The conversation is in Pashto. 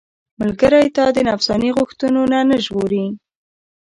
ملګری تا د نفساني غوښتنو نه ژغوري.